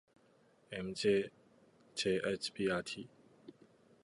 ｍｊｇｈｂｒｔ